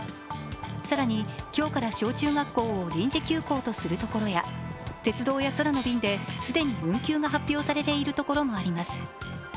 更に、今日から小中学校を臨時休校とするところや鉄道や空の便で既に運休が発表されている所もあります。